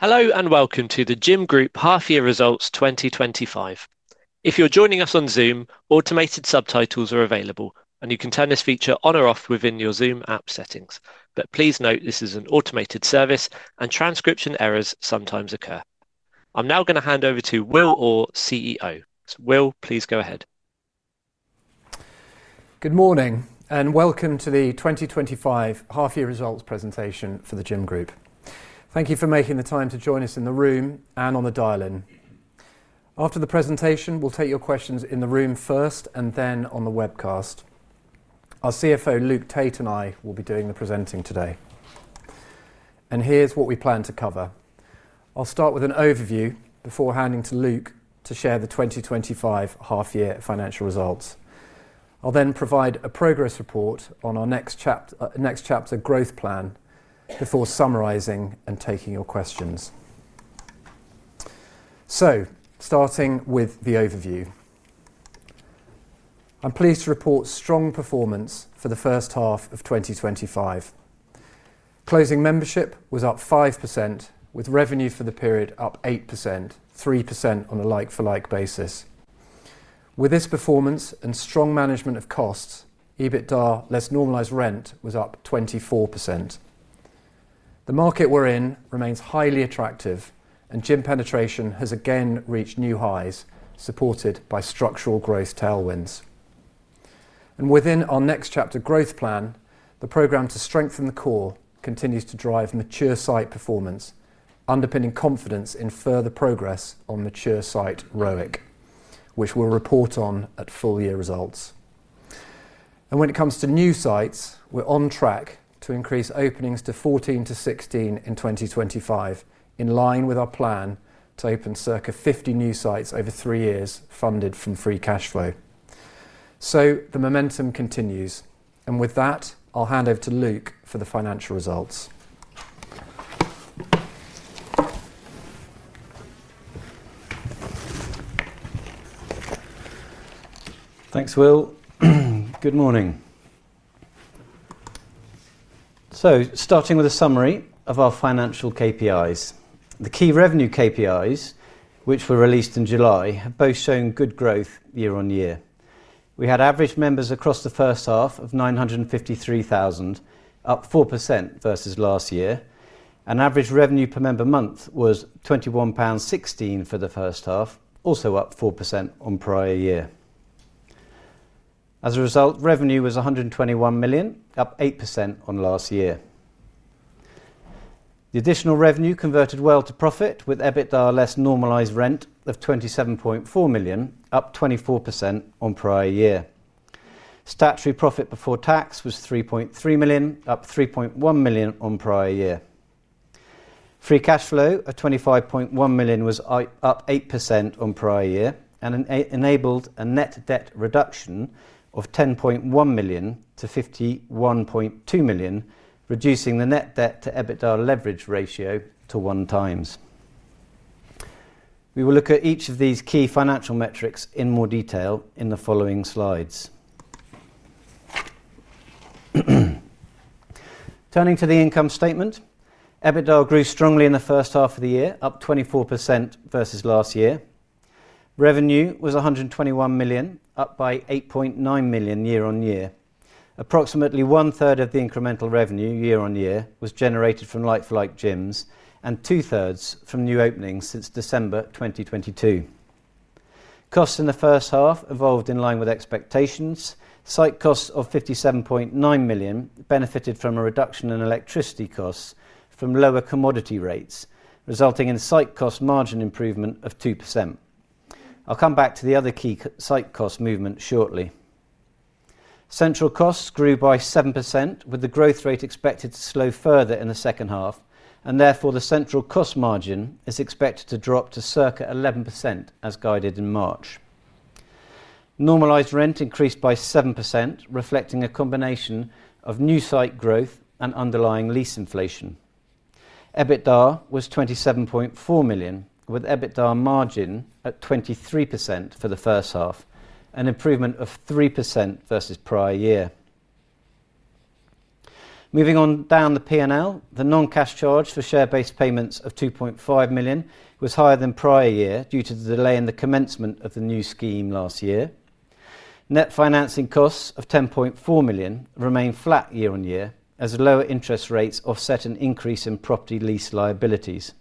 Hello and welcome to The Gym Group Half Year Results 2025. If you're joining us on Zoom, automated subtitles are available, and you can turn this feature on or off within your Zoom app settings. Please note this is an automated service, and transcription errors sometimes occur. I'm now going to hand over to Will Orr, CEO. Will, please go ahead. Good morning and welcome to the 2025 Half Year Results Presentation for The Gym Group. Thank you for making the time to join us in the room and on the dial-in. After the presentation, we'll take your questions in the room first and then on the webcast. Our CFO, Luke Tait, and I will be doing the presenting today. Here's what we plan to cover. I'll start with an overview before handing to Luke to share the 2025 Half Year Financial Results. I'll then provide a progress report on our next chapter growth plan before summarizing and taking your questions. Starting with the overview, I'm pleased to report strong performance for the first half of 2025. Closing membership was up 5%, with revenue for the period up 8%, 3% on a like-for-like basis. With this performance and strong management of costs, EBITDA less normalized rent was up 24%. The market we're in remains highly attractive, and gym penetration has again reached new highs, supported by structural growth tailwinds. Within our next chapter growth plan, the program to strengthen the core continues to drive mature site performance, underpinning confidence in further progress on mature site ROIC, which we'll report on at full year results. When it comes to new sites, we're on track to increase openings to 14 to 16 in 2025, in line with our plan to open circa 50 new sites over three years, funded from free cash flow. The momentum continues, and with that, I'll hand over to Luke for the financial results. Thanks, Will. Good morning. Starting with a summary of our financial KPIs. The key revenue KPIs, which were released in July, have both shown good growth year on year. We had average members across the first half of 953,000, up 4% versus last year, and average revenue per member month was 21.16 pound for the first half, also up 4% on prior year. As a result, revenue was 121 million, up 8% on last year. The additional revenue converted well to profit, with EBITDA less normalized rent of 27.4 million, up 24% on prior year. Statutory profit before tax was 3.3 million, up 3.1 million on prior year. Free cash flow of 25.1 million was up 8% on prior year, and enabled a net debt reduction of 10.1 million to 51.2 million, reducing the net debt to EBITDA leverage ratio to 1x. We will look at each of these key financial metrics in more detail in the following slides. Turning to the income statement, EBITDA grew strongly in the first half of the year, up 24% versus last year. Revenue was 121 million, up by 8.9 million year-on-year. Approximately one third of the incremental revenue year on year was generated from like-for-like gyms, and two thirds from new openings since December 2022. Costs in the first half evolved in line with expectations. Site costs of 57.9 million benefited from a reduction in electricity costs from lower commodity rates, resulting in site cost margin improvement of 2%. I'll come back to the other key site cost movement shortly. Central costs grew by 7%, with the growth rate expected to slow further in the second half, and therefore the central cost margin is expected to drop to circa 11% as guided in March. Normalized rent increased by 7%, reflecting a combination of new site growth and underlying lease inflation. EBITDA was 27.4 million, with EBITDA margin at 23% for the first half, an improvement of 3% versus prior year. Moving on down the P&L, the non-cash charge for share-based payments of 2.5 million was higher than prior year due to the delay in the commencement of the new scheme last year. Net financing costs of 10.4 million remain flat year on year, as lower interest rates offset an increase in property lease liabilities.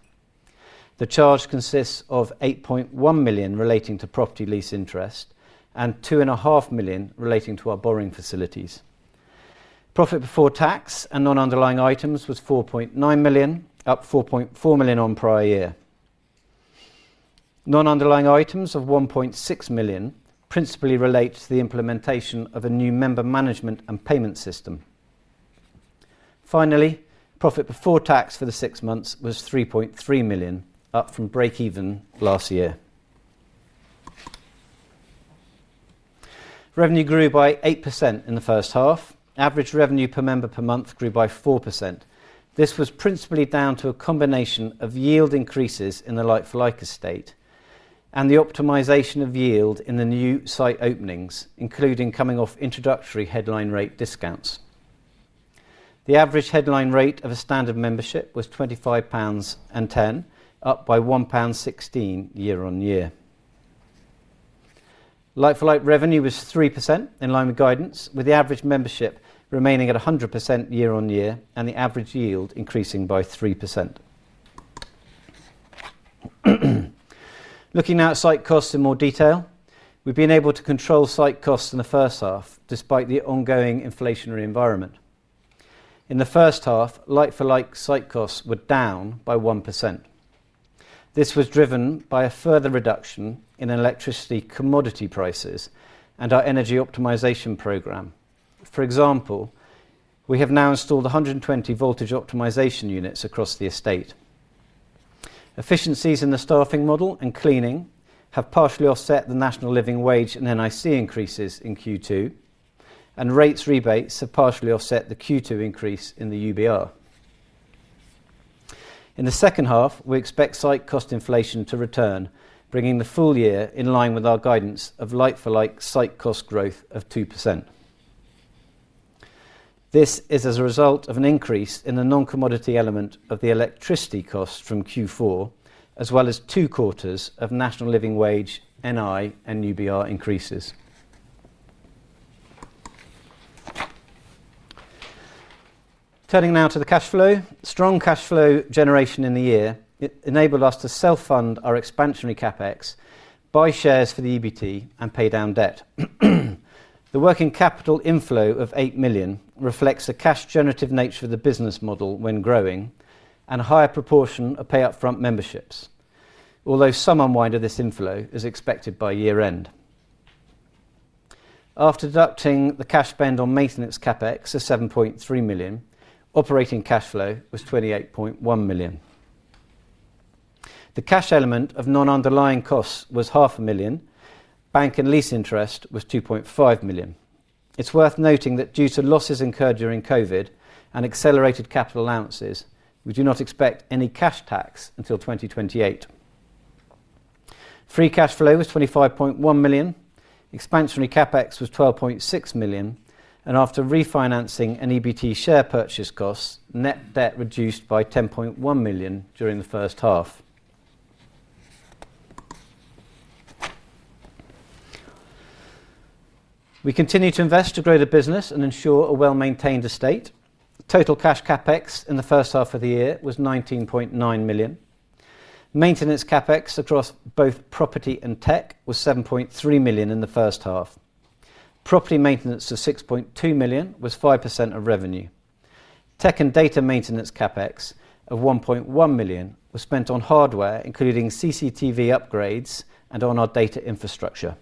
The charge consists of 8.1 million relating to property lease interest and 2.5 million relating to our borrowing facilities. Profit before tax and non-underlying items was 4.9 million, up 4.4 million on prior year. Non-underlying items of 1.6 million principally relate to the implementation of a new member management and payment system. Finally, profit before tax for the six months was 3.3 million, up from break-even last year. Revenue grew by 8% in the first half. Average revenue per member per month grew by 4%. This was principally down to a combination of yield increases in the like-for-like estate and the optimization of yield in the new site openings, including coming off introductory headline rate discounts. The average headline rate of a standard membership was 25.10 pounds, up by 1.16 pound year on year. Like-for-like revenue was 3% in line with guidance, with the average membership remaining at 100% year-on-year and the average yield increasing by 3%. Looking at site costs in more detail, we've been able to control site costs in the first half despite the ongoing inflationary environment. In the first half, like-for-like site costs were down by 1%. This was driven by a further reduction in electricity commodity prices and our energy optimization program. For example, we have now installed 120 voltage optimization units across the estate. Efficiencies in the staffing model and cleaning have partially offset the national living wage and NIC increases in Q2, and rates rebates have partially offset the Q2 increase in the UBR. In the second half, we expect site cost inflation to return, bringing the full year in line with our guidance of like-for-like site cost growth of 2%. This is as a result of an increase in the non-commodity element of the electricity costs from Q4, as well as two quarters of national living wage, NI, and UBR increases. Turning now to the cash flow, strong cash flow generation in the year enabled us to self-fund our expansionary CapEx, buy shares for the EBT, and pay down debt. The working capital inflow of 8 million reflects a cash-generative nature of the business model when growing and a higher proportion of pay-upfront memberships, although some unwind of this inflow is expected by year-end. After deducting the cash spend on maintenance CapEx of 7.3 million, operating cash flow was 28.1 million. The cash element of non-underlying costs was 0.5 million. Bank and lease interest was 2.5 million. It's worth noting that due to losses incurred during COVID and accelerated capital allowances, we do not expect any cash tax until 2028. Free cash flow was 25.1 million. Expansionary CapEx was 12.6 million, and after refinancing and EBT share purchase cost, net debt reduced by 10.1 million during the first half. We continue to invest to grow the business and ensure a well-maintained estate. Total cash CapEx in the first half of the year was 19.9 million. Maintenance CapEx across both property and tech was 7.3 million in the first half. Property maintenance of 6.2 million was 5% of revenue. Tech and data maintenance CapEx of 1.1 million was spent on hardware, including CCTV upgrades and on our data infrastructure.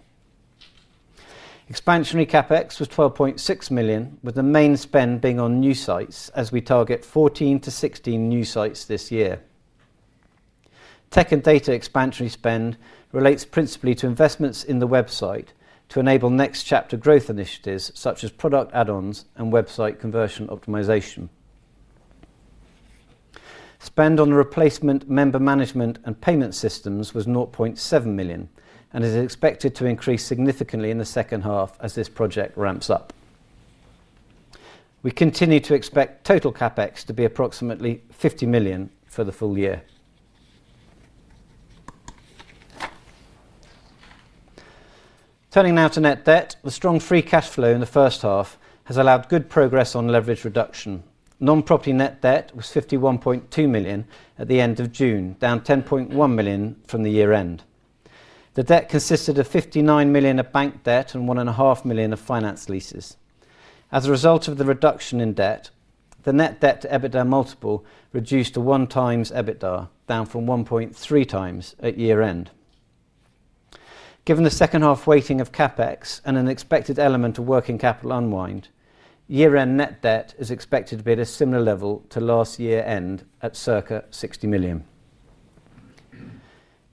Expansionary CapEx was 12.6 million, with the main spend being on new sites, as we target 14- 16 new sites this year. Tech and data expansionary spend relates principally to investments in the website to enable next chapter growth initiatives such as product add-ons and website conversion optimization. Spend on replacement member management and payment systems was 0.7 million and is expected to increase significantly in the second half as this project ramps up. We continue to expect total CapEx to be approximately 50 million for the full year. Turning now to net debt, the strong free cash flow in the first half has allowed good progress on leverage reduction. Non-property net debt was 51.2 million at the end of June, down 10.1 million from the year-end. The debt consisted of 59 million of bank debt and 1.5 million of finance leases. As a result of the reduction in debt, the net debt to EBITDA multiple reduced to 1x EBITDA, down from 1.3x at year-end. Given the second half weighting of CapEx and an expected element of working capital unwind, year-end net debt is expected to be at a similar level to last year's end at circa 60 million.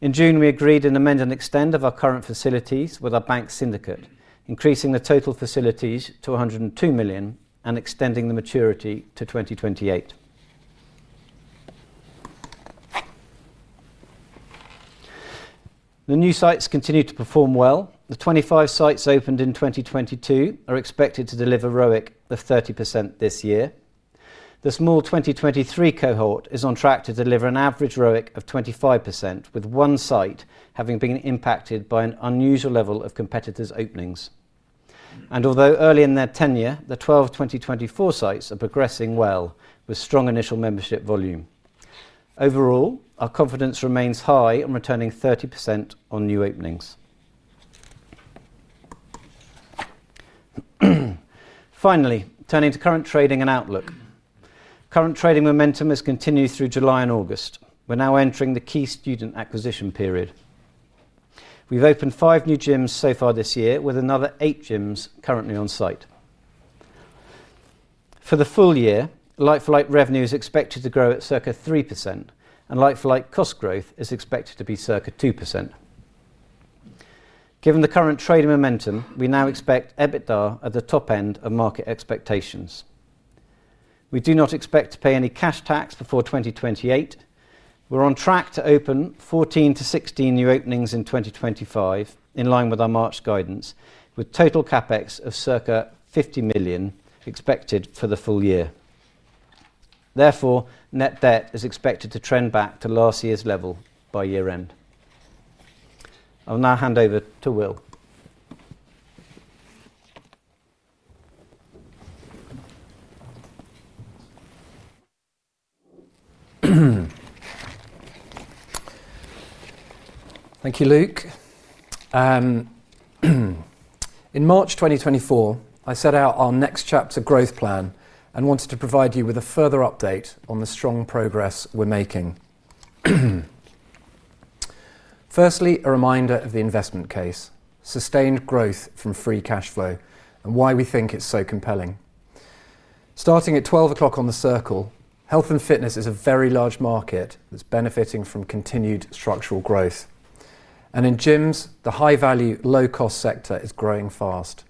In June, we agreed to amend and extend our current facilities with our bank syndicate, increasing the total facilities to 102 million and extending the maturity to 2028. The new sites continue to perform well. The 25 sites opened in 2022 are expected to deliver ROIC of 30% this year. The small 2023 cohort is on track to deliver an average ROIC of 25%, with one site having been impacted by an unusual level of competitors' openings. Although early in their tenure, the 12 2024 sites are progressing well with strong initial membership volume. Overall, our confidence remains high on returning 30% on new openings. Finally, turning to current trading and outlook. Current trading momentum has continued through July and August. We're now entering the key student acquisition period. We've opened five new gyms so far this year, with another eight gyms currently on site. For the full year, like-for-like revenue is expected to grow at circa 3%, and like-for-like cost growth is expected to be circa 2%. Given the current trading momentum, we now expect EBITDA at the top end of market expectations. We do not expect to pay any cash tax before 2028. We're on track to open 14-16 new openings in 2025, in line with our March guidance, with total CapEx of circa 50 million expected for the full year. Therefore, net debt is expected to trend back to last year's level by year-end. I'll now hand over to Will. Thank you, Luke. In March 2024, I set out our next chapter growth plan and wanted to provide you with a further update on the strong progress we're making. Firstly, a reminder of the investment case, sustained growth from free cash flow, and why we think it's so compelling. Starting at 12 o'clock on the circle, health and fitness is a very large market that's benefiting from continued structural growth. In gyms, the high-value, low-cost sector is growing fast.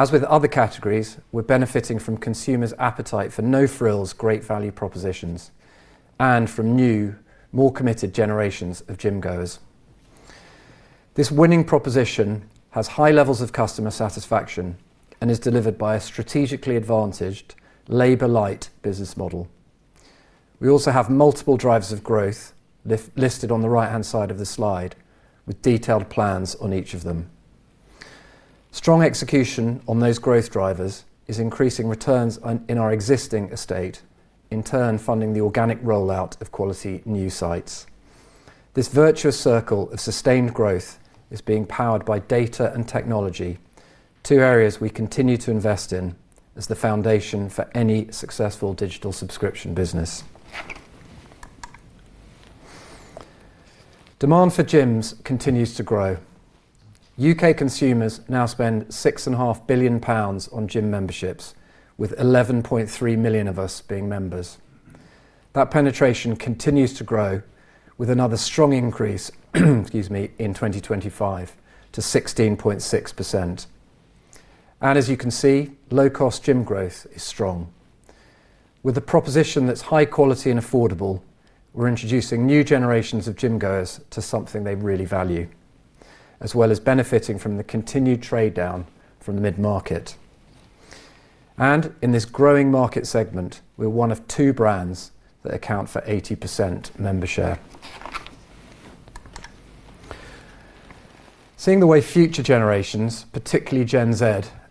As with other categories, we're benefiting from consumers' appetite for no-frills great value propositions and from new, more committed generations of gym goers. This winning proposition has high levels of customer satisfaction and is delivered by a strategically advantaged labor-light business model. We also have multiple drivers of growth listed on the right-hand side of the slide, with detailed plans on each of them. Strong execution on those growth drivers is increasing returns in our existing estate, in turn funding the organic rollout of quality new sites. This virtuous circle of sustained growth is being powered by data and technology, two areas we continue to invest in as the foundation for any successful digital subscription business. Demand for gyms continues to grow. UK consumers now spend 6.5 billion pounds on gym memberships, with 11.3 million of us being members. That penetration continues to grow, with another strong increase in 2025 to 16.6%. As you can see, low-cost gym growth is strong. With a proposition that's high quality and affordable, we're introducing new generations of gym goers to something they really value, as well as benefiting from the continued trade down from mid-market. In this growing market segment, we're one of two brands that account for 80% member share. Seeing the way future generations, particularly Gen Z,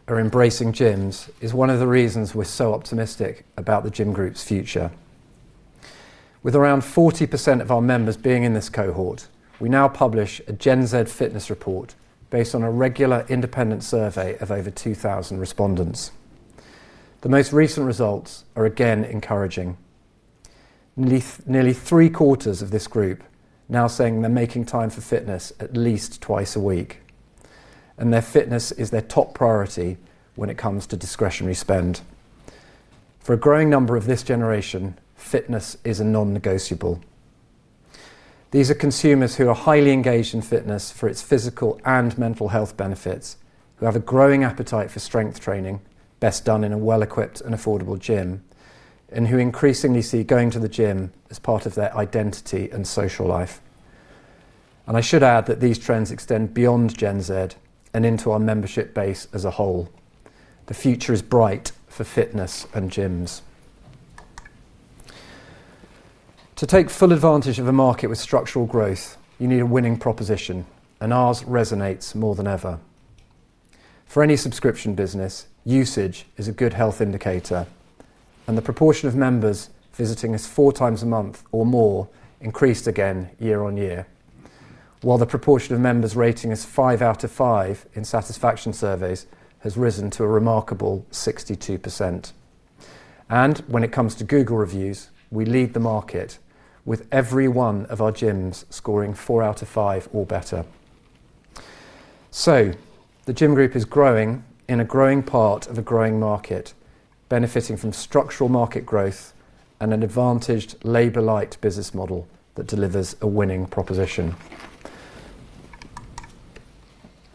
are embracing gyms is one of the reasons we're so optimistic about The Gym Group's future. With around 40% of our members being in this cohort, we now publish a Gen Z fitness report based on a regular independent survey of over 2,000 respondents. The most recent results are again encouraging. Nearly three quarters of this group are now saying they're making time for fitness at least twice a week, and their fitness is their top priority when it comes to discretionary spend. For a growing number of this generation, fitness is a non-negotiable. These are consumers who are highly engaged in fitness for its physical and mental health benefits, who have a growing appetite for strength training, best done in a well-equipped and affordable gym, and who increasingly see going to the gym as part of their identity and social life. I should add that these trends extend beyond Gen Z and into our membership base as a whole. The future is bright for fitness and gyms. To take full advantage of a market with structural growth, you need a winning proposition, and ours resonates more than ever. For any subscription business, usage is a good health indicator, and the proportion of members visiting us four times a month or more increased again year-on-year, while the proportion of members rating us five out of five in satisfaction surveys has risen to a remarkable 62%. When it comes to Google reviews, we lead the market, with every one of our gyms scoring four out of five or better. The Gym Group is growing in a growing part of a growing market, benefiting from structural market growth and an advantaged labor-light business model that delivers a winning proposition.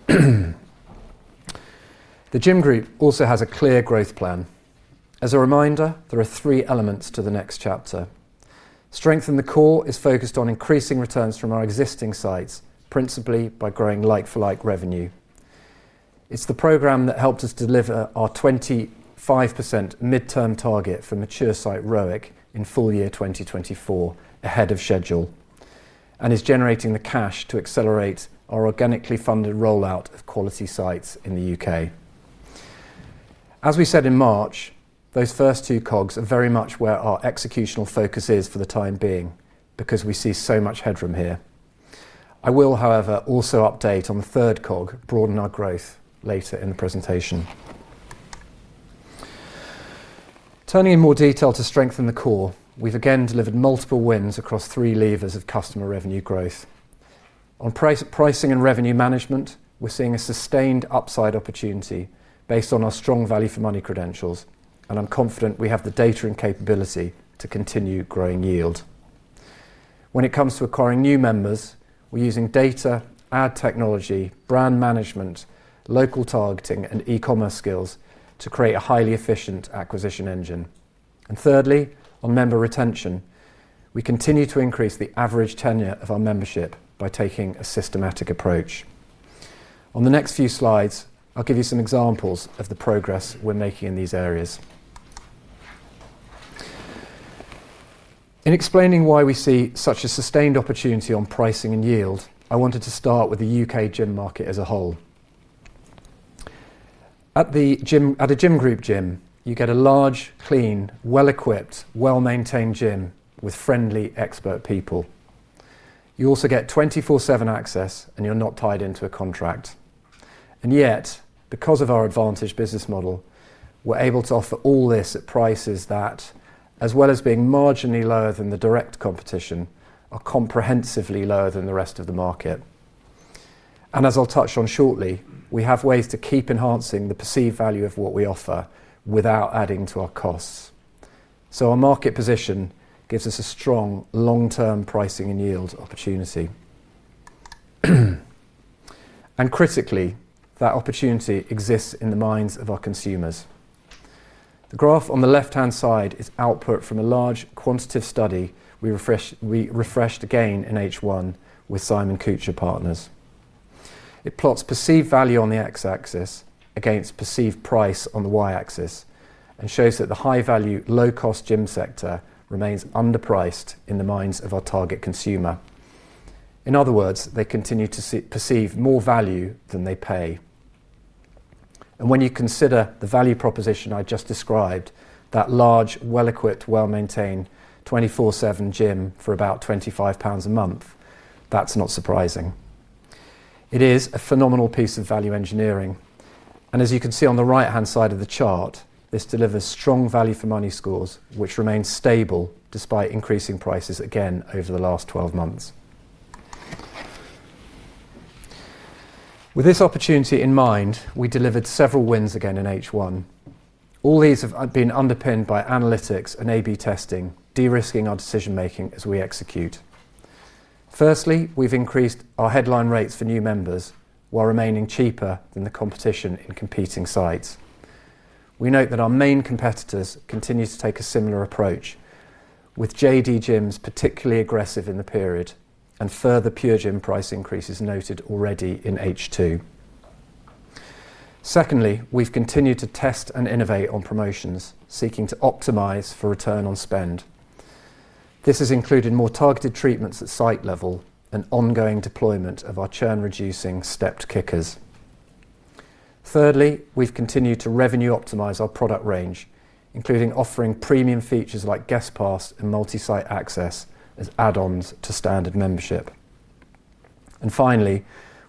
The Gym Group also has a clear growth plan. As a reminder, there are three elements to the next chapter. Strength in the core is focused on increasing returns from our existing sites, principally by growing like-for-like revenue. It's the program that helped us deliver our 25% midterm target for mature site ROIC in full year 2024 ahead of schedule, and is generating the cash to accelerate our organically funded rollout of quality sites in the U.K. As we said in March, those first two COGs are very much where our executional focus is for the time being, because we see so much headroom here. I will, however, also update on the third COG, broaden our growth later in the presentation. Turning in more detail to strengthen the core, we've again delivered multiple wins across three levers of customer revenue growth. On pricing and revenue management, we're seeing a sustained upside opportunity based on our strong value for money credentials, and I'm confident we have the data and capability to continue growing yield. When it comes to acquiring new members, we're using data, ad technology, brand management, local targeting, and e-commerce skills to create a highly efficient acquisition engine. Thirdly, on member retention, we continue to increase the average tenure of our membership by taking a systematic approach. On the next few slides, I'll give you some examples of the progress we're making in these areas. In explaining why we see such a sustained opportunity on pricing and yield, I wanted to start with the U.K. gym market as a whole. At a Gym Group gym, you get a large, clean, well-equipped, well-maintained gym with friendly, expert people. You also get 24/7 access, and you're not tied into a contract. Yet, because of our advantaged business model, we're able to offer all this at prices that, as well as being marginally lower than the direct competition, are comprehensively lower than the rest of the market. As I'll touch on shortly, we have ways to keep enhancing the perceived value of what we offer without adding to our costs. Our market position gives us a strong long-term pricing and yield opportunity. Critically, that opportunity exists in the minds of our consumers. The graph on the left-hand side is output from a large quantitative study we refreshed again in H1 with Simon-Kucher & Partners. It plots perceived value on the X axis against perceived price on the Y axis and shows that the high-value, low-cost gym sector remains underpriced in the minds of our target consumer. In other words, they continue to perceive more value than they pay. When you consider the value proposition I just described, that large, well-equipped, well-maintained 24/7 gym for about 25 pounds a month, that's not surprising. It is a phenomenal piece of value engineering. As you can see on the right-hand side of the chart, this delivers strong value for money scores, which remain stable despite increasing prices again over the last 12 months. With this opportunity in mind, we delivered several wins again in H1. All these have been underpinned by analytics and A/B testing, de-risking our decision-making as we execute. Firstly, we've increased our headline rates for new members while remaining cheaper than the competition in competing sites. We note that our main competitors continue to take a similar approach, with JD Gyms particularly aggressive in the period and further PureGym price increases noted already in H2. Secondly, we've continued to test and innovate on promotions, seeking to optimize for return on spend. This has included more targeted treatments at site level and ongoing deployment of our churn-reducing stepped kickers. Thirdly, we've continued to revenue optimize our product range, including offering premium features like guest passes and multi-site access as add-ons to standard membership. Finally,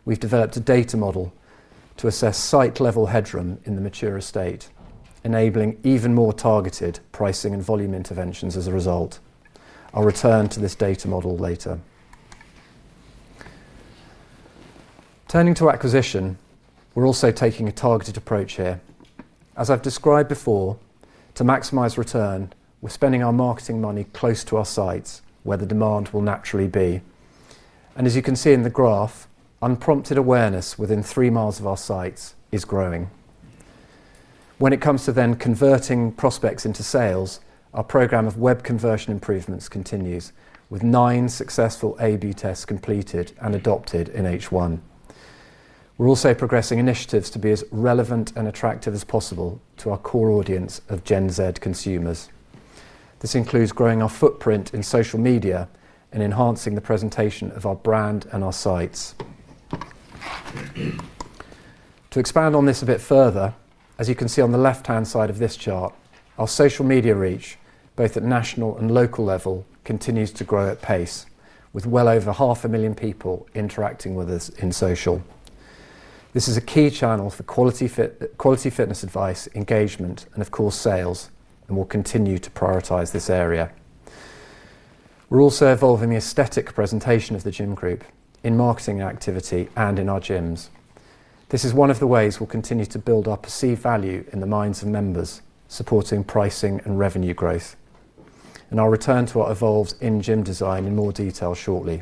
we've developed a data model to assess site-level headroom in the mature estate, enabling even more targeted pricing and volume interventions as a result. I'll return to this data model later. Turning to acquisition, we're also taking a targeted approach here. As I've described before, to maximize return, we're spending our marketing money close to our sites where the demand will naturally be. As you can see in the graph, unprompted awareness within three miles of our sites is growing. When it comes to converting prospects into sales, our program of web conversion improvements continues, with nine successful A/B tests completed and adopted in H1. We're also progressing initiatives to be as relevant and attractive as possible to our core audience of Gen Z consumers. This includes growing our footprint in social media and enhancing the presentation of our brand and our sites. To expand on this a bit further, as you can see on the left-hand side of this chart, our social media reach, both at national and local level, continues to grow at pace, with well over half a million people interacting with us in social. This is a key channel for quality fitness advice, engagement, and of course, sales, and we'll continue to prioritize this area. We're also evolving the aesthetic presentation of The Gym Group in marketing activity and in our gyms. This is one of the ways we'll continue to build our perceived value in the minds of members, supporting pricing and revenue growth. I'll return to what evolves in gym design in more detail shortly.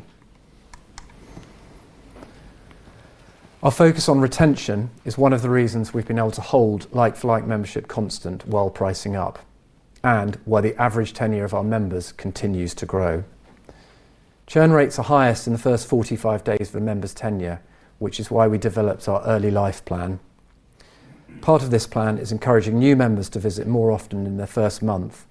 Our focus on retention is one of the reasons we've been able to hold like-for-like membership constant while pricing up and while the average tenure of our members continues to grow. Churn rates are highest in the first 45 days of a member's tenure, which is why we developed our early life plan. Part of this plan is encouraging new members to visit more often in their first month,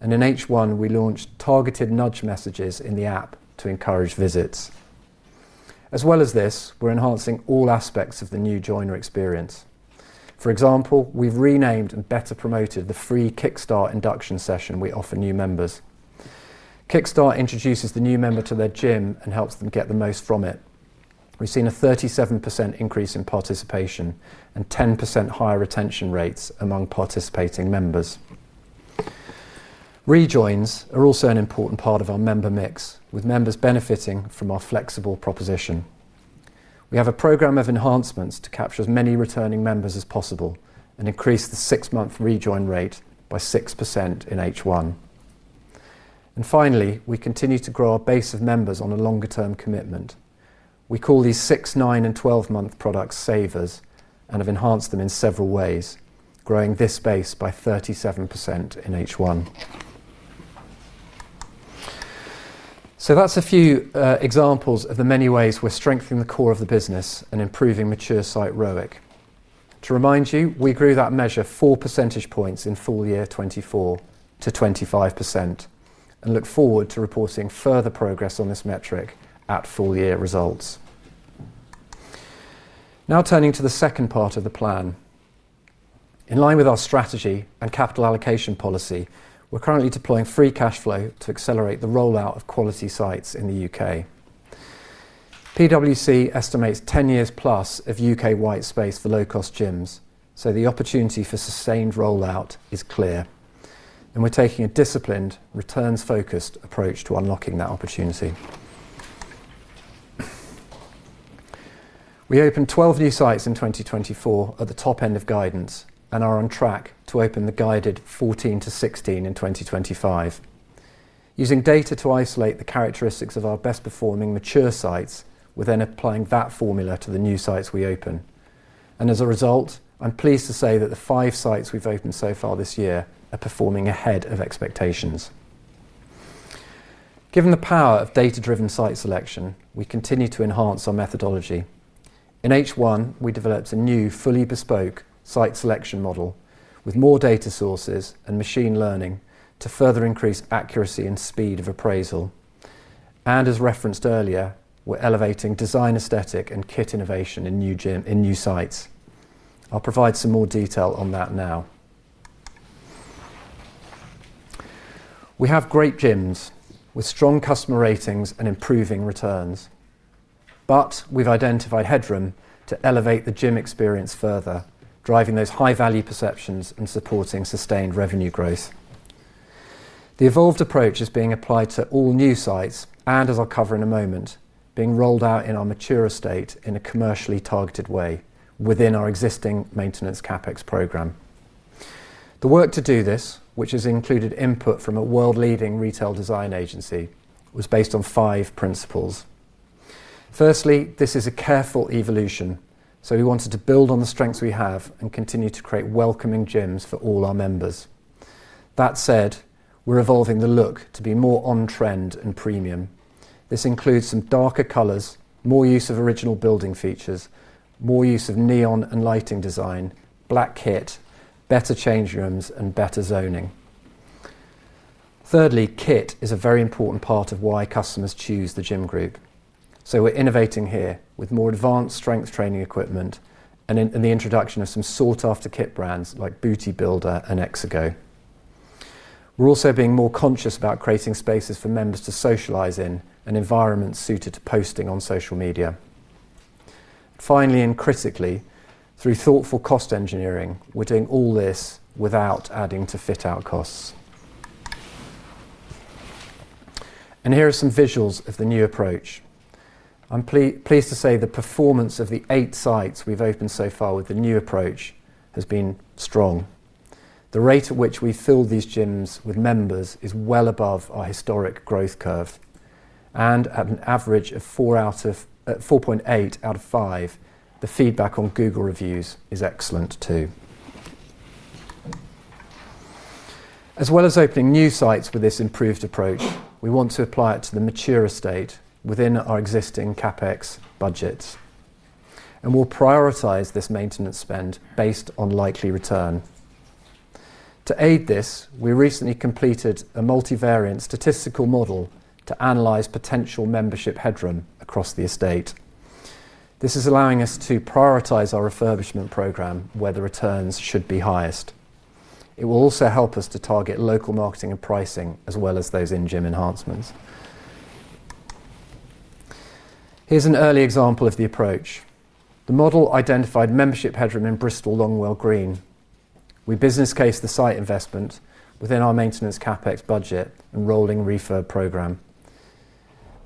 and in H1, we launched targeted nudge messages in the app to encourage visits. As well as this, we're enhancing all aspects of the new joiner experience. For example, we've renamed and better promoted the free Kickstart induction session we offer new members. Kickstart introduces the new member to their gym and helps them get the most from it. We've seen a 37% increase in participation and 10% higher retention rates among participating members. Rejoins are also an important part of our member mix, with members benefiting from our flexible proposition. We have a program of enhancements to capture as many returning members as possible and increase the six-month rejoin rate by 6% in H1. Finally, we continue to grow our base of members on a longer-term commitment. We call these six, nine, and 12-month products savers and have enhanced them in several ways, growing this base by 37% in H1. That's a few examples of the many ways we're strengthening the core of the business and improving mature site ROIC. To remind you, we grew that measure four percentage points in full year 2024 to 25% and look forward to reporting further progress on this metric at full year results. Now turning to the second part of the plan. In line with our strategy and capital allocation policy, we're currently deploying free cash flow to accelerate the rollout of quality sites in the U.K. PwC estimates 10 years plus of UK white space for low-cost gyms, so the opportunity for sustained rollout is clear, and we're taking a disciplined, returns-focused approach to unlocking that opportunity. We opened 12 new sites in 2024 at the top end of guidance and are on track to open the guided 14-16 in 2025. Using data to isolate the characteristics of our best-performing mature sites, we're then applying that formula to the new sites we open. As a result, I'm pleased to say that the five sites we've opened so far this year are performing ahead of expectations. Given the power of data-driven site selection, we continue to enhance our methodology. In H1, we developed a new, fully bespoke site selection model with more data sources and machine learning to further increase accuracy and speed of appraisal. As referenced earlier, we're elevating design aesthetic and kit innovation in new sites. I'll provide some more detail on that now. We have great gyms with strong customer ratings and improving returns, but we've identified headroom to elevate the gym experience further, driving those high-value perceptions and supporting sustained revenue growth. The evolved approach is being applied to all new sites and, as I'll cover in a moment, being rolled out in our mature estate in a commercially targeted way within our existing maintenance CapEx program. The work to do this, which has included input from a world-leading retail design agency, was based on five principles. Firstly, this is a careful evolution, so we wanted to build on the strengths we have and continue to create welcoming gyms for all our members. That said, we're evolving the look to be more on-trend and premium. This includes some darker colors, more use of original building features, more use of neon and lighting design, black kit, better changing rooms, and better zoning. Thirdly, kit is a very important part of why customers choose The Gym Group. We're innovating here with more advanced strength training equipment and in the introduction of some sought-after kit brands like Booty Builder and Exigo. We're also being more conscious about creating spaces for members to socialize in and environments suited to posting on social media. Finally, and critically, through thoughtful cost engineering, we're doing all this without adding to fit-out costs. Here are some visuals of the new approach. I'm pleased to say the performance of the eight sites we've opened so far with the new approach has been strong. The rate at which we fill these gyms with members is well above our historic growth curve. At an average of 4.8 out of 5, the feedback on Google reviews is excellent too. As well as opening new sites with this improved approach, we want to apply it to the mature estate within our existing CapEx budgets. We'll prioritize this maintenance spend based on likely return. To aid this, we recently completed a multivariant statistical model to analyze potential membership headroom across the estate. This is allowing us to prioritize our refurbishment program where the returns should be highest. It will also help us to target local marketing and pricing, as well as those in-gym enhancements. Here's an early example of the approach. The model identified membership headroom in Bristol Longwell Green. We business cased the site investment within our maintenance CapEx budget and rolling refurb program.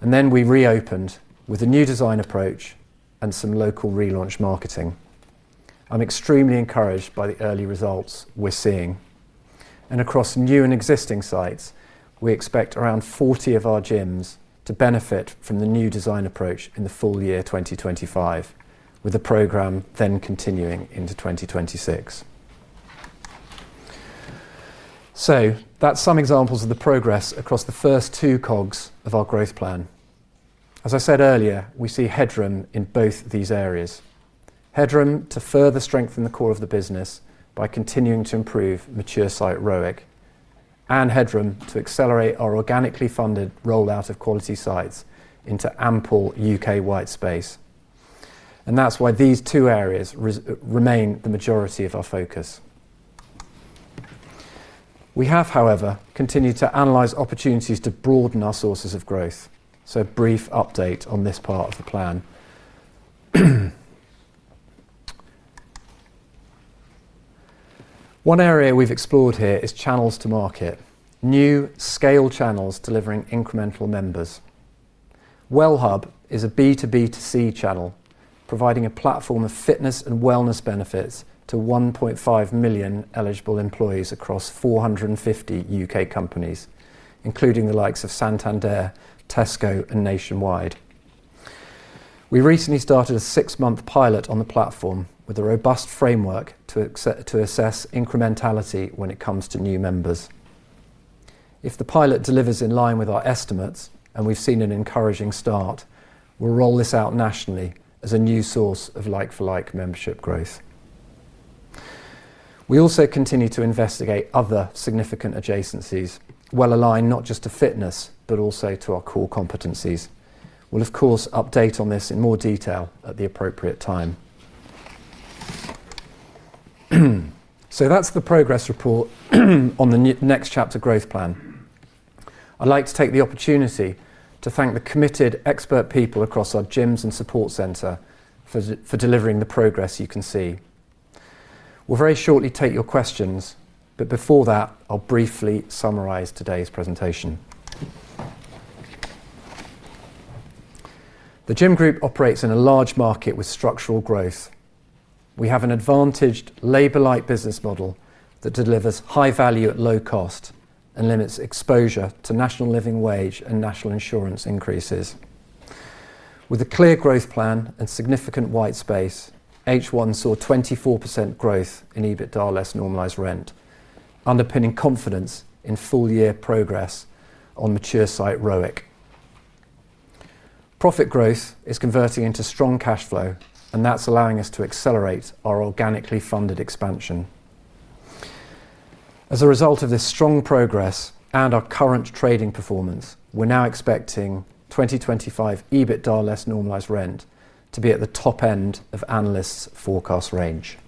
We reopened with a new design approach and some local relaunch marketing. I'm extremely encouraged by the early results we're seeing. Across new and existing sites, we expect around 40 of our gyms to benefit from the new design approach in the full year 2025, with the program then continuing into 2026. That's some examples of the progress across the first two COGs of our growth plan. As I said earlier, we see headroom in both these areas. Headroom to further strengthen the core of the business by continuing to improve mature site ROIC, and headroom to accelerate our organically funded rollout of quality sites into ample U.K. white space. That is why these two areas remain the majority of our focus. We have, however, continued to analyze opportunities to broaden our sources of growth. A brief update on this part of the plan. One area we've explored here is channels to market, new scale channels delivering incremental members. Wellhub is a B2B2C channel, providing a platform of fitness and wellness benefits to 1.5 million eligible employees across 450 UK companies, including the likes of Santander, Tesco, and Nationwide. We recently started a six-month pilot on the platform with a robust framework to assess incrementality when it comes to new members. If the pilot delivers in line with our estimates, and we've seen an encouraging start, we'll roll this out nationally as a new source of like-for-like membership growth. We also continue to investigate other significant adjacencies, well aligned not just to fitness but also to our core competencies. We will, of course, update on this in more detail at the appropriate time. That is the progress report on the next chapter growth plan. I'd like to take the opportunity to thank the committed expert people across our gyms and support center for delivering the progress you can see. We'll very shortly take your questions, but before that, I'll briefly summarize today's presentation. The Gym Group operates in a large market with structural growth. We have an advantaged labor-light business model that delivers high value at low cost and limits exposure to national living wage and national insurance increases. With a clear growth plan and significant white space, H1 saw 24% growth in EBITDA less normalized rent, underpinning confidence in full-year progress on mature site ROIC. Profit growth is converting into strong cash flow, and that is allowing us to accelerate our organically funded expansion. As a result of this strong progress and our current trading performance, we're now expecting 2025 EBITDA less normalized rent to be at the top end of analysts' forecast range.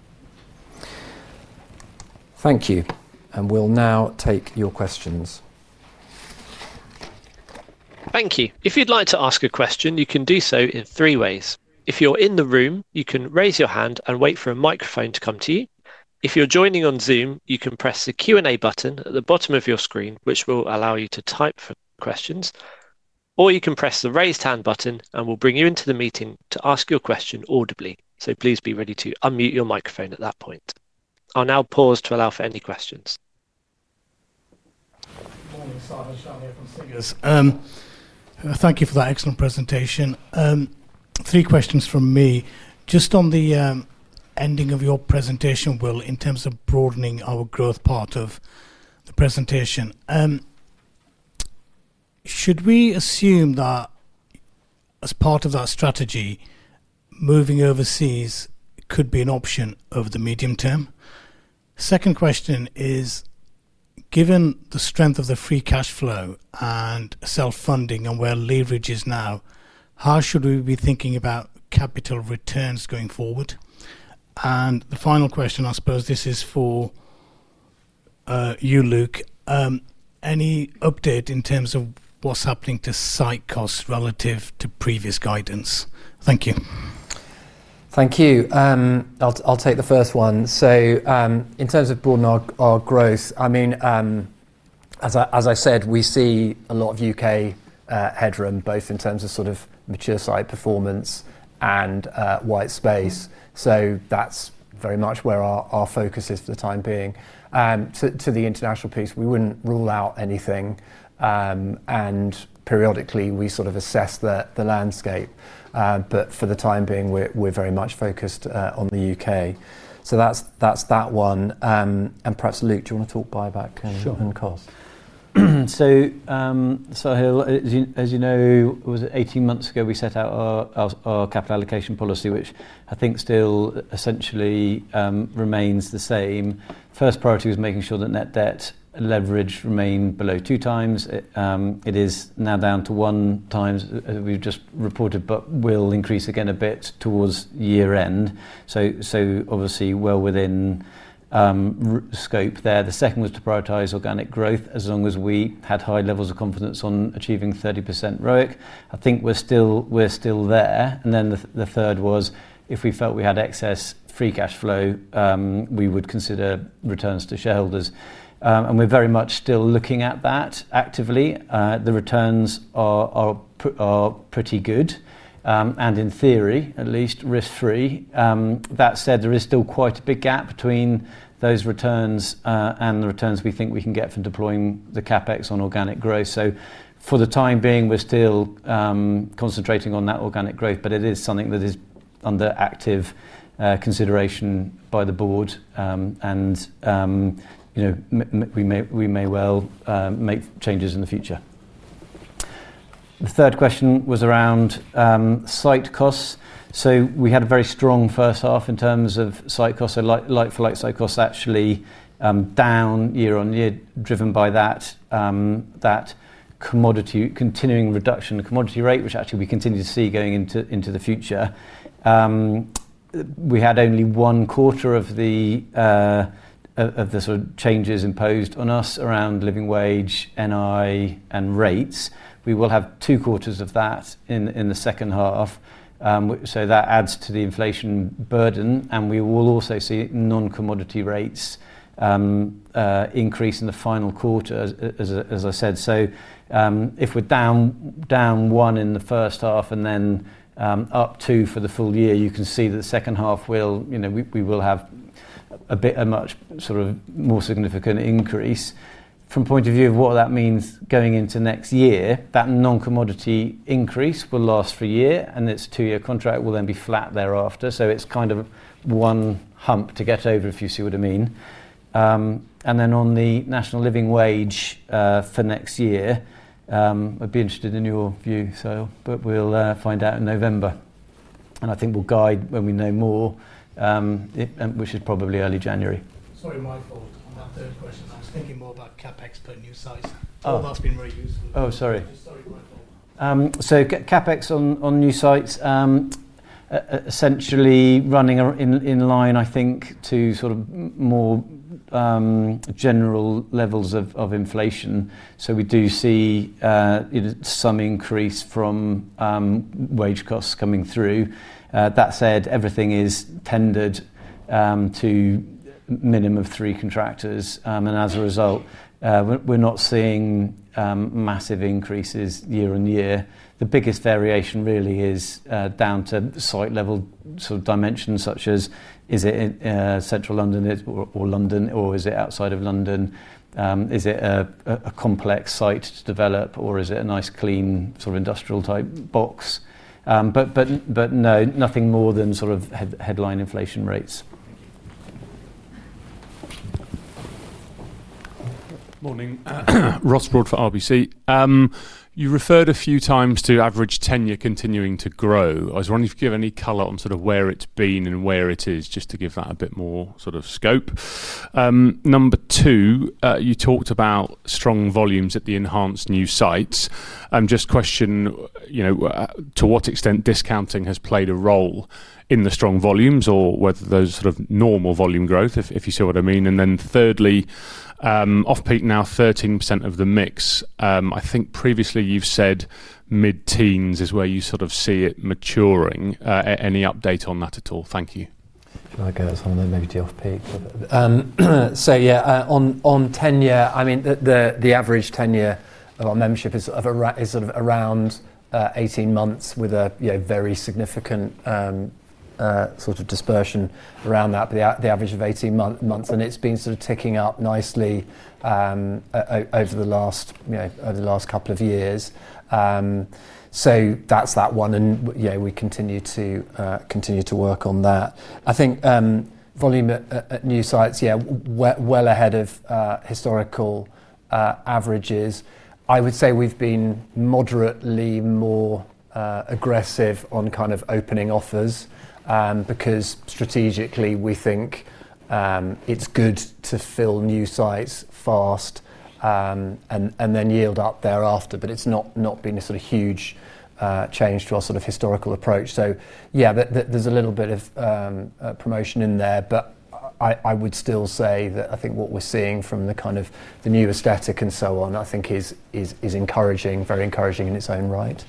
Thank you, and we'll now take your questions. Thank you. If you'd like to ask a question, you can do so in three ways. If you're in the room, you can raise your hand and wait for a microphone to come to you. If you're joining on Zoom, you can press the Q&A button at the bottom of your screen, which will allow you to type your questions, or you can press the raised hand button and we'll bring you into the meeting to ask your question audibly. Please be ready to unmute your microphone at that point. I'll now pause to allow for any questions. Thank you for that excellent presentation. Three questions from me. Just on the ending of your presentation, Will, in terms of broadening our growth part of the presentation, should we assume that as part of our strategy, moving overseas could be an option over the medium term? The second question is, given the strength of the free cash flow and self-funding and where leverage is now, how should we be thinking about capital returns going forward? The final question, I suppose this is for you, Luke. Any update in terms of what's happening to site costs relative to previous guidance? Thank you. Thank you. I'll take the first one. In terms of broadening our growth, as I said, we see a lot of U.K. headroom, both in terms of mature site performance and white space. That is very much where our focus is for the time being. To the international piece, we wouldn't rule out anything. Periodically, we assess the landscape. For the time being, we're very much focused on the U.K. That's that one. Perhaps, Luke, do you want to talk buyback and cost? Sure. As you know, it was 18 months ago we set out our capital allocation policy, which I think still essentially remains the same. First priority was making sure that net debt leverage remained below 2x. It is now down to 1x, as we've just reported, but will increase again a bit towards year-end. Obviously, well within scope there. The second was to prioritize organic growth as long as we had high levels of confidence on achieving 30% ROIC. I think we're still there. The third was if we felt we had excess free cash flow, we would consider returns to shareholders. We're very much still looking at that actively. The returns are pretty good, and in theory, at least risk-free. That said, there is still quite a big gap between those returns and the returns we think we can get from deploying the CapEx on organic growth. For the time being, we're still concentrating on that organic growth, but it is something that is under active consideration by the board. We may well make changes in the future. The third question was around site costs. We had a very strong first half in terms of site costs, so like-for-like site costs actually down year-on-year, driven by that continuing reduction in commodity rate, which actually we continue to see going into the future. We had only one quarter of the sort of changes imposed on us around living wage, NI, and rates. We will have two quarters of that in the second half. That adds to the inflation burden, and we will also see non-commodity rates increase in the final quarter, as I said. If we're down one in the first half and then up two for the full year, you can see that the second half, we will have a bit of a much sort of more significant increase. From the point of view of what that means going into next year, that non-commodity increase will last for a year, and its two-year contract will then be flat thereafter. It's kind of one hump to get over, if you see what I mean. On the national living wage for next year, I'd be interested in your view, but we'll find out in November. I think we'll guide when we know more, which is probably early January. Sorry, my fault. On that third question, I was thinking more about CapEx per new site. I've asked in reuse. Sorry. CapEx on new sites is essentially running in line, I think, to more general levels of inflation. We do see some increase from wage costs coming through. That said, everything is tendered to a minimum of three contractors, and as a result, we're not seeing massive increases year-on-year. The biggest variation really is down to site level dimensions, such as is it in Central London or London, or is it outside of London? Is it a complex site to develop, or is it a nice clean industrial type box? No, nothing more than headline inflation rates. Morning. Ross Broadfoot for RBC. You referred a few times to average tenure continuing to grow. I was wondering if you could give any color on sort of where it's been and where it is, just to give that a bit more sort of scope. Number two, you talked about strong volumes at the enhanced new sites. I'm just questioning to what extent discounting has played a role in the strong volumes or whether there's sort of normal volume growth, if you see what I mean. Thirdly, off peak now 13% of the mix. I think previously you've said mid-teens is where you sort of see it maturing. Any update on that at all? Thank you. Okay, that's one of the negative off peak. On tenure, the average tenure of our membership is sort of around 18 months with a very significant sort of dispersion around that, but the average of 18 months, and it's been ticking up nicely over the last couple of years. That's that one, and we continue to work on that. I think volume at new sites, yeah, well ahead of historical averages. I would say we've been moderately more aggressive on kind of opening offers because strategically we think it's good to fill new sites fast and then yield up thereafter, but it's not been a huge change to our historical approach. There's a little bit of promotion in there, but I would still say that what we're seeing from the kind of the new aesthetic and so on is very encouraging in its own right.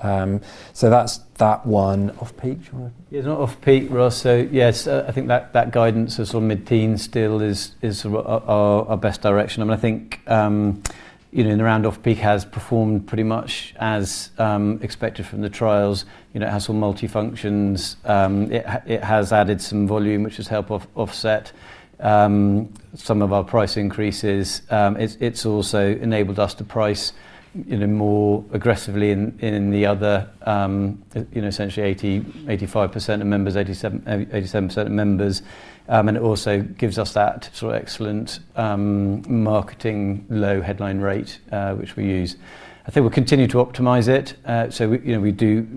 That's that one. Off peak? Yeah. It's not off peak, Ross. That guidance of sort of mid-teens still is our best direction. In the round, off peak has performed pretty much as expected from the trials. It has some multifunctions. It has added some volume, which has helped offset some of our price increases. It's also enabled us to price more aggressively in the other, essentially 85% of members, 87% of members. It also gives us that excellent marketing low headline rate, which we use. I think we'll continue to optimize it.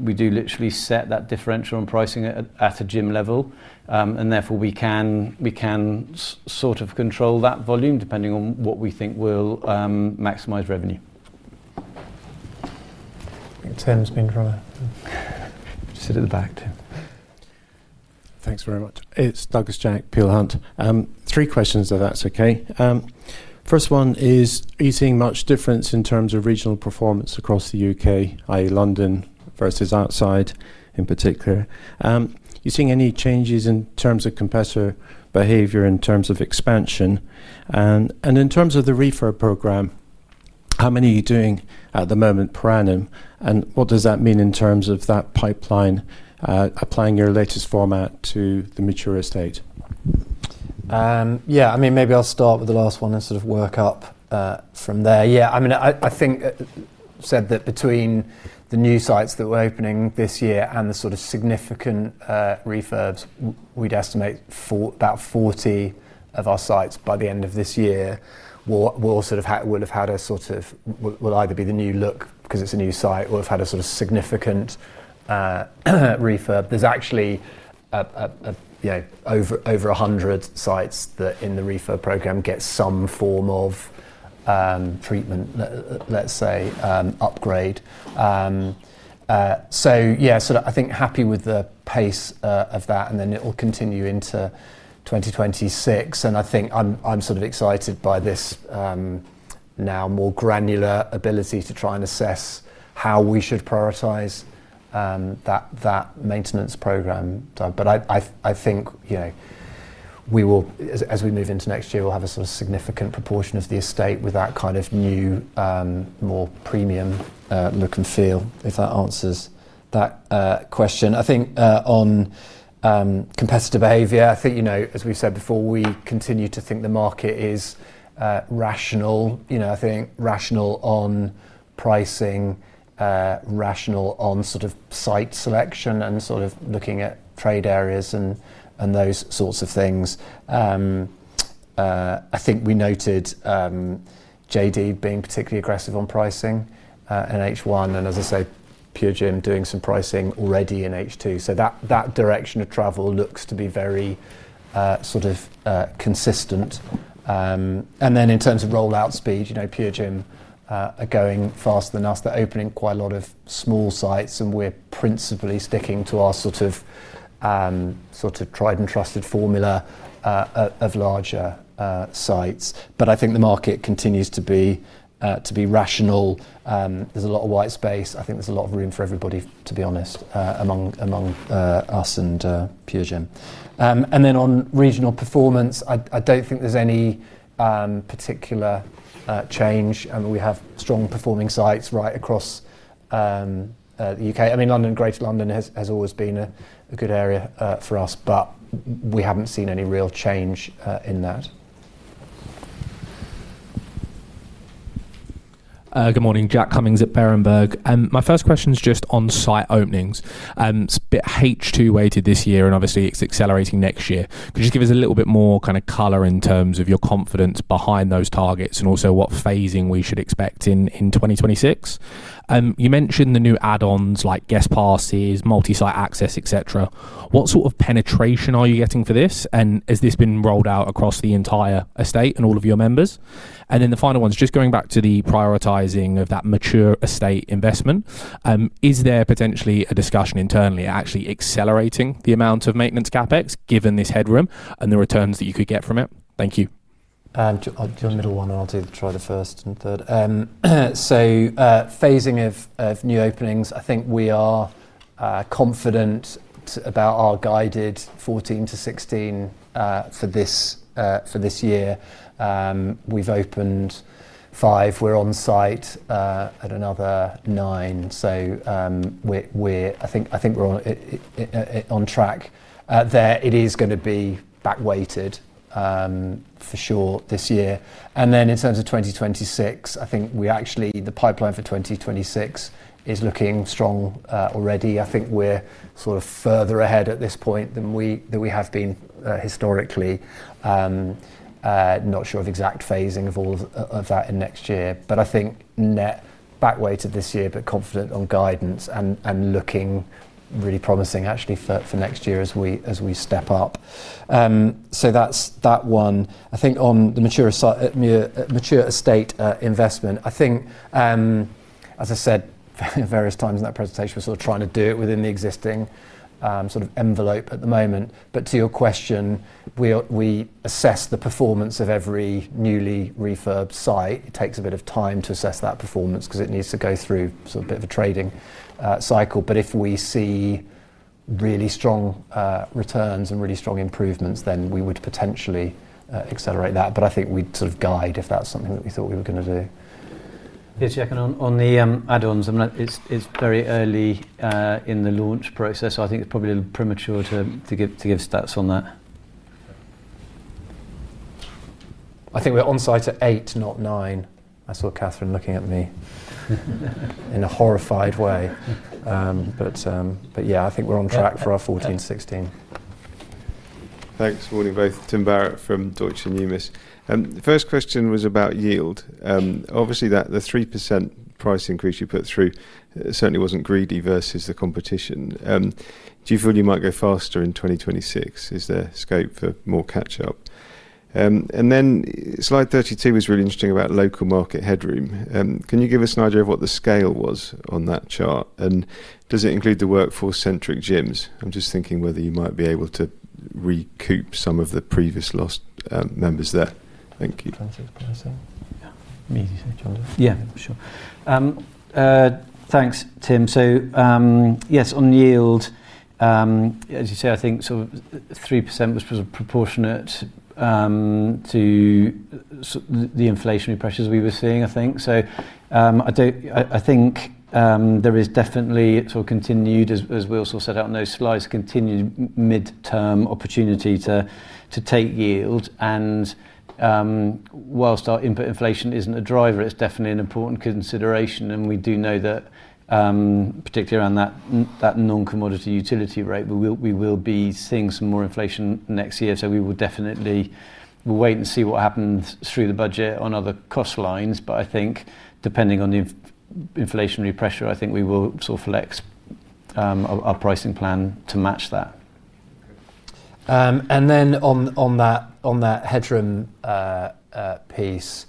We do literally set that differential on pricing at a gym level, and therefore we can control that volume depending on what we think will maximize revenue. I think Tim's been trying to sit at the back too. Thanks very much. It's Douglas Jack, Peel Hunt. Three questions, if that's okay. First one is, are you seeing much difference in terms of regional performance across the U.K., i.e., London versus outside in particular? Are you seeing any changes in terms of competitor behavior, in terms of expansion? In terms of the refurb program, how many are you doing at the moment per annum? What does that mean in terms of that pipeline, applying your latest format to the mature estate? Yeah, I mean, maybe I'll start with the last one and sort of work up from there. I think I said that between the new sites that we're opening this year and the sort of significant refurbs, we'd estimate about 40 of our sites by the end of this year will either be the new look because it's a new site or have had a sort of significant refurb. There's actually over 100 sites that in the refurb program get some form of treatment, let's say, upgrade. I think happy with the pace of that, and it will continue into 2026. I'm sort of excited by this now more granular ability to try and assess how we should prioritize that maintenance program. I think as we move into next year, we'll have a significant proportion of the estate with that kind of new, more premium look and feel, if that answers that question. On competitor behavior, as we've said before, we continue to think the market is rational. I think rational on pricing, rational on site selection, and looking at trade areas and those sorts of things. We noted JD Gyms being particularly aggressive on pricing in H1, and PureGym doing some pricing already in H2. That direction of travel looks to be very consistent. In terms of rollout speed, PureGym are going faster than us. They're opening quite a lot of small sites, and we're principally sticking to our tried and trusted formula of larger sites. I think the market continues to be rational. There's a lot of white space. I think there's a lot of room for everybody, to be honest, among us and PureGym. On regional performance, I don't think there's any particular change. We have strong performing sites right across the UK. London, Greater London has always been a good area for us, but we haven't seen any real change in that. Good morning, Jack Cummings at Berenberg. My first question is just on site openings. It's a bit H2 weighted this year, and obviously it's accelerating next year. Could you give us a little bit more kind of color in terms of your confidence behind those targets and also what phasing we should expect in 2026? You mentioned the new add-ons like guest passes, multi-site access, etc. What sort of penetration are you getting for this? Has this been rolled out across the entire estate and all of your members? The final one is just going back to the prioritizing of that mature estate investment. Is there potentially a discussion internally actually accelerating the amount of maintenance CapEx given this headroom and the returns that you could get from it? Thank you. Do you want to do a middle one or do you want to try the first and third? Phasing of new openings, I think we are confident about our guided 14-16 for this year. We've opened five. We're on site at another nine. I think we're on track there. It is going to be back weighted for sure this year. In terms of 2026, I think the pipeline for 2026 is looking strong already. I think we're sort of further ahead at this point than we have been historically. Not sure of exact phasing of all of that in next year, but I think net back weighted this year, confident on guidance and looking really promising actually for next year as we step up. That's that one. On the mature estate investment, as I said at various times in that presentation, we're sort of trying to do it within the existing sort of envelope at the moment. To your question, we assess the performance of every newly refurb site. It takes a bit of time to assess that performance because it needs to go through a bit of a trading cycle. If we see really strong returns and really strong improvements, then we would potentially accelerate that. I think we'd sort of guide if that's something that we thought we were going to do. Yes, Jack, on the add-ons, it's very early in the launch process. I think it's probably a little premature to give stats on that. I think we're on site at eight, not nine. I saw Catherine looking at me in a horrified way. I think we're on track for our 14-16. Thanks for warning, both. Tim Barrett from Deutsche Numis. The first question was about yield. Obviously, the 3% price increase you put through certainly wasn't greedy versus the competition. Do you feel you might go faster in 2026? Is there scope for more catch-up? Slide 32 was really interesting about local market headroom. Can you give us an idea of what the scale was on that chart? Does it include the workforce-centric gyms? I'm just thinking whether you might be able to recoup some of the previous lost members there. Thank you. Charles is, perhaps, so. Yeah. Me to say, Charles. Yeah, sure. Thanks, Tim. On yield, as you say, I think 3% was proportionate to the inflationary pressures we were seeing, I think. There is definitely, as Will set out in those slides, continued mid-term opportunity to take yield. Whilst our input inflation isn't a driver, it's definitely an important consideration. We do know that particularly around that non-commodity utility rate, we will be seeing some more inflation next year. We will definitely wait and see what happens through the budget on other cost lines. I think depending on the inflationary pressure, we will flex our pricing plan to match that. On that headroom piece,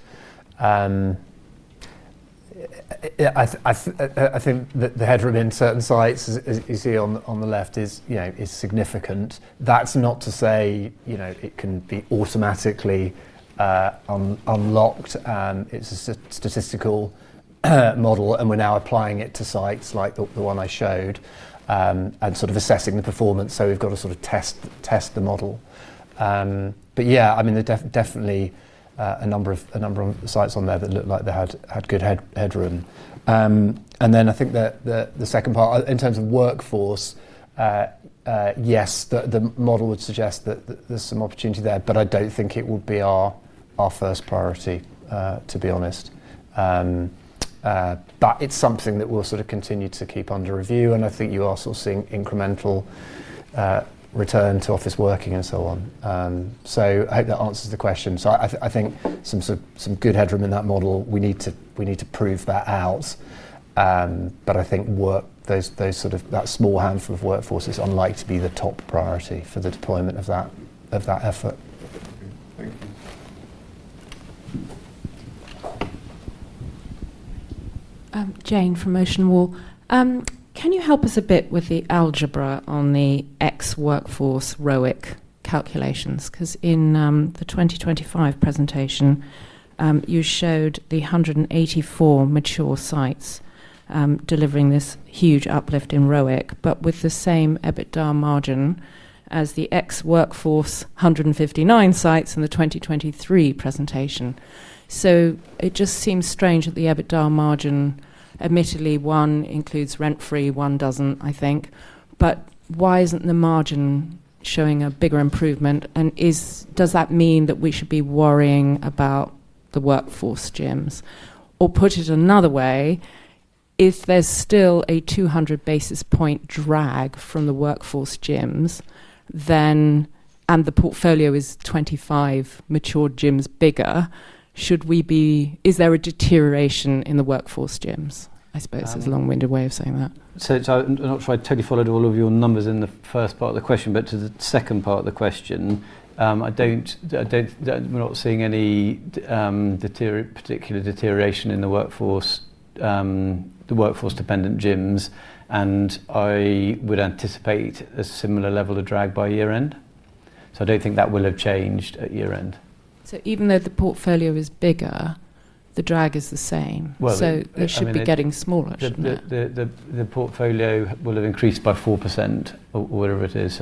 the headroom in certain sites, as you see on the left, is significant. That's not to say it can be automatically unlocked. It's a statistical model, and we're now applying it to sites like the one I showed and assessing the performance. We've got to test the model. There are definitely a number of sites on there that look like they had good headroom. The second part, in terms of workforce, yes, the model would suggest that there's some opportunity there, but I don't think it would be our first priority, to be honest. It's something that we'll continue to keep under review, and I think you are seeing incremental return to office working and so on. I hope that answers the question. There is some good headroom in that model, we need to prove that out. Workforce, that small handful, is unlikely to be the top priority for the deployment of that effort. Can you help us a bit with the algebra on the ex-workforce ROIC calculations? Because in the 2025 presentation, you showed the 184 mature sites delivering this huge uplift in ROIC, but with the same EBITDA margin as the ex-workforce 159 sites in the 2023 presentation. It just seems strange that the EBITDA margin, admittedly, one includes rent-free, one doesn't, I think. Why isn't the margin showing a bigger improvement? Does that mean that we should be worrying about the workforce gyms? Put it another way, if there's still a 200 basis point drag from the workforce gyms, and the portfolio is 25 mature gyms bigger, should we be, is there a deterioration in the workforce gyms? I suppose it's a long-winded way of saying that. I'm not sure I totally followed all of your numbers in the first part of the question, but to the second part of the question, we're not seeing any particular deterioration in the workforce, the workforce-dependent gyms, and I would anticipate a similar level of drag by year-end. I don't think that will have changed at year-end. Even though the portfolio is bigger, the drag is the same. They should be getting smaller, shouldn't they? The portfolio will have increased by 4% or whatever it is.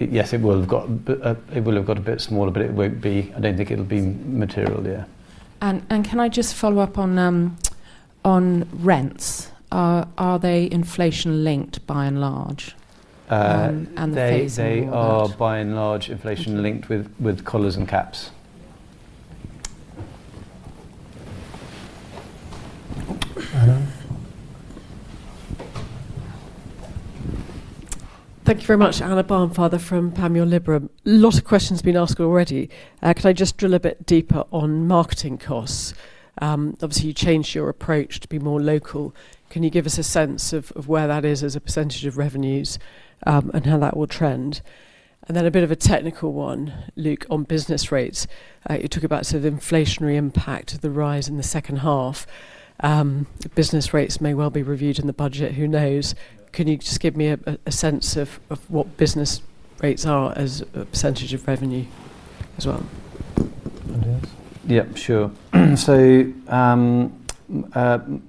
Yes, it will have got a bit smaller, but I don't think it'll be material year. Can I just follow up on rents? Are they inflation-linked by and large? They are by and large inflation-linked with collars and caps. Anna? Thank you very much, Anna Barnfather from Panmure Liberum. A lot of questions have been asked already. Can I just drill a bit deeper on marketing costs? Obviously, you changed your approach to be more local. Can you give us a sense of where that is as a percentage of revenues and how that will trend? A bit of a technical one, Luke, on business rates. You talk about sort of the inflationary impact of the rise in the second half. Business rates may well be reviewed in the budget, who knows? Can you just give me a sense of what business rates are as a percentage of revenue as well? Yeah, sure.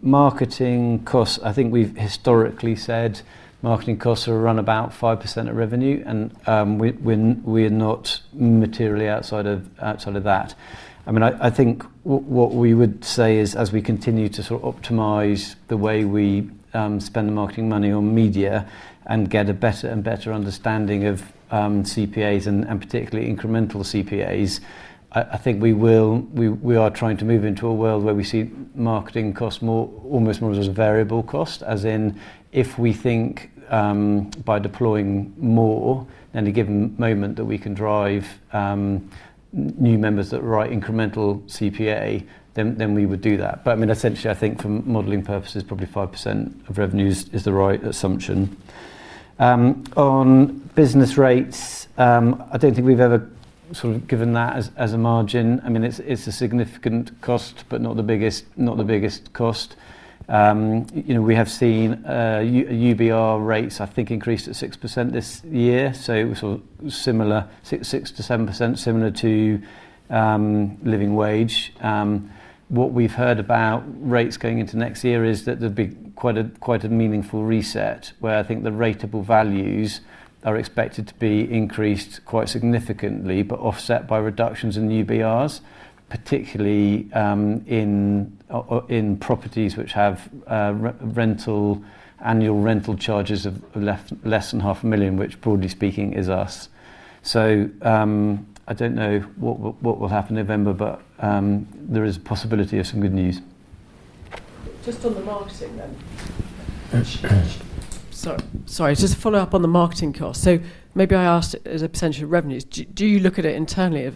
Marketing costs, I think we've historically said marketing costs are around about 5% of revenue, and we're not materially outside of that. I think what we would say is as we continue to sort of optimize the way we spend the marketing money on media and get a better and better understanding of CPAs and particularly incremental CPAs, we are trying to move into a world where we see marketing costs almost more as a variable cost, as in if we think by deploying more at any given moment that we can drive new members at the right incremental CPA, then we would do that. Essentially, I think for modeling purposes, probably 5% of revenues is the right assumption. On business rates, I don't think we've ever sort of given that as a margin. It's a significant cost, but not the biggest cost. We have seen UBR rates, I think, increased at 6% this year. It was sort of similar, 6%-7%, similar to living wage. What we've heard about rates going into next year is that there'll be quite a meaningful reset where I think the ratable values are expected to be increased quite significantly, but offset by reductions in UBRs, particularly in properties which have annual rental charges of less than 500,000, which broadly speaking is us. I don't know what will happen in November, but there is a possibility of some good news. Just on the marketing then. Sorry, just to follow up on the marketing cost. Maybe I asked as a percentage of revenues, do you look at it internally?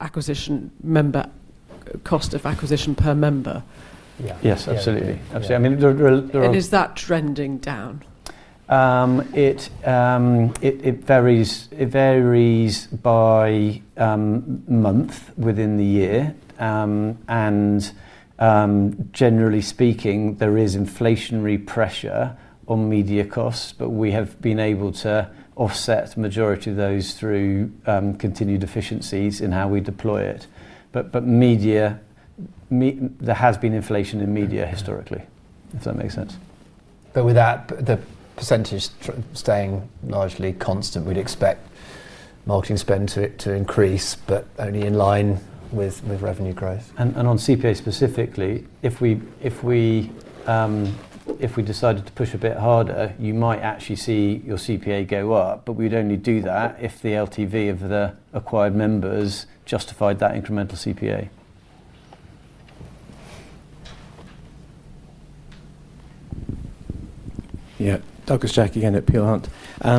Acquisition member cost of acquisition per member? Yes, absolutely. Absolutely. Is that trending down? It varies by month within the year. Generally speaking, there is inflationary pressure on media costs, but we have been able to offset the majority of those through continued efficiencies in how we deploy it. There has been inflation in media historically, if that makes sense. With that, the percentage staying largely constant, we'd expect marketing spend to increase, but only in line with revenue growth. On CPA specifically, if we decided to push a bit harder, you might actually see your CPA go up, but we'd only do that if the LTV of the acquired members justified that incremental CPA. Yeah, Doug Jack again at Peel Hunt.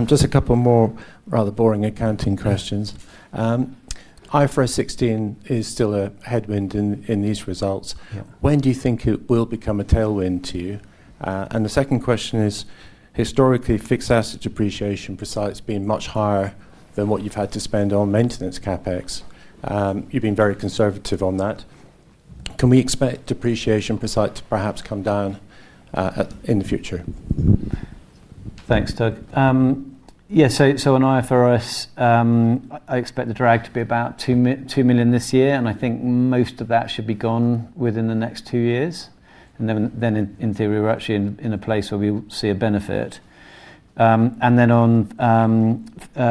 Just a couple more rather boring accounting questions. IFRS 16 is still a headwind in these results. When do you think it will become a tailwind to you? The second question is, historically, fixed asset depreciation for sites being much higher than what you've had to spend on maintenance CapEx. You've been very conservative on that. Can we expect depreciation per site to perhaps come down in the future? Thanks, Doug. On IFRS, I expect the drag to be about 2 million this year, and I think most of that should be gone within the next two years. In theory, we're actually in a place where we see a benefit. On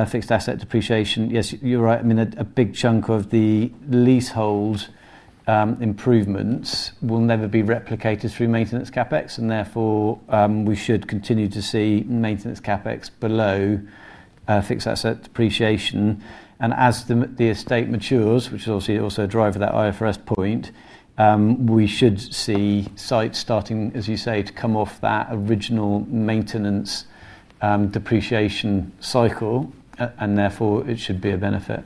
fixed asset depreciation, yes, you're right. A big chunk of the leasehold improvements will never be replicated through maintenance CapEx, and therefore we should continue to see maintenance CapEx below fixed asset depreciation. As the estate matures, which is obviously also a driver of that IFRS point, we should see sites starting, as you say, to come off that original maintenance depreciation cycle, and therefore it should be a benefit.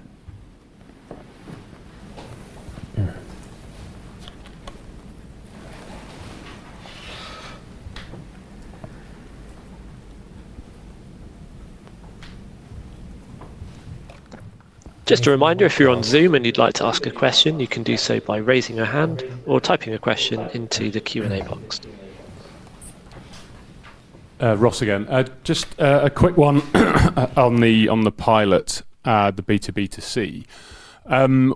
Just a reminder, if you're on Zoom and you'd like to ask a question, you can do so by raising a hand or typing a question into the Q&A box. Ross again. Just a quick one on the pilot, the B2B2C.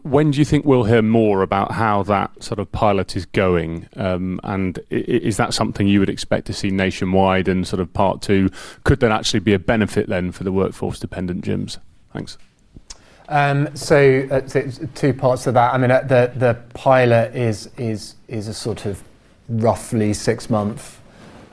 When do you think we'll hear more about how that sort of pilot is going? Is that something you would expect to see nationwide in part two? Could that actually be a benefit then for the workforce-dependent gyms? Thanks. There are two parts to that. The pilot is a sort of roughly six-month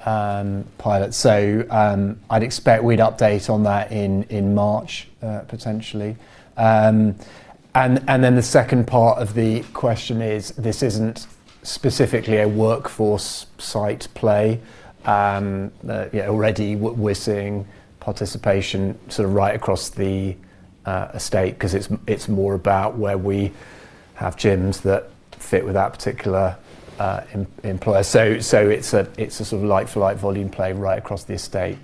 pilot. I'd expect we'd update on that in March, potentially. The second part of the question is, this isn't specifically a workforce site play. Already we're seeing participation right across the estate because it's more about where we have gyms that fit with that particular employer. It's a like-for-like volume play right across the estate.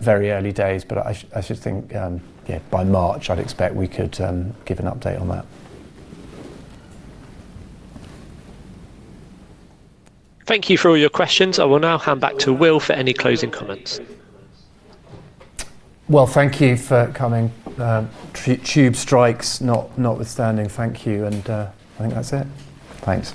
Very early days. I just think by March, I'd expect we could give an update on that. Thank you for all your questions. I will now hand back to Will for any closing comments. Thank you for coming, tube strikes notwithstanding. Thank you, and I think that's it. Thanks.